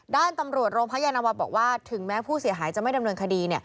ด้านตำรวจโรงพักยานวาบอกว่าถึงแม้ผู้เสียหายจะไม่ดำเนินคดี